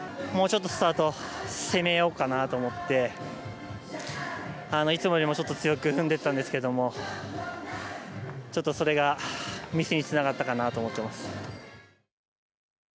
もうちょっとスタート攻めようかなと思っていつもよりもちょっと強く踏んでいったんですけどちょっと、それがミスにつながったかなと思ってます。